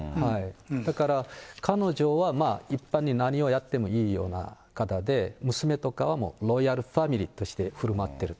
だから彼女はまあ一般に何をやってもいいような方で、娘とかはもうロイヤルファミリーとしてふるまってると。